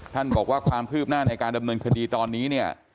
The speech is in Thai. บอกว่าความคืบหน้าในการดำเนินคดีตอนนี้เนี่ย